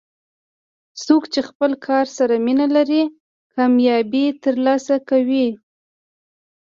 څوک چې خپل کار سره مینه لري، کامیابي ترلاسه کوي.